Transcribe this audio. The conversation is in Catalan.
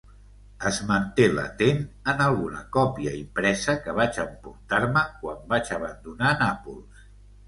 Es manté latent en alguna còpia impresa que vaig emportar-me quan vaig abandonar Nàpols.